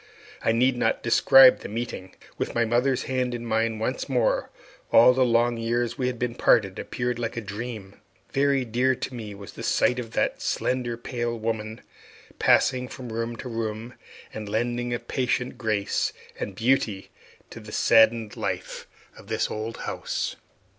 I need not describe that meeting. With my mother's hand in mine once more, all the long years we had been parted appeared like a dream. Very dear to me was the sight of that slender, pale woman passing from room to room, and lending a patient grace and beauty to the saddened life of the old house.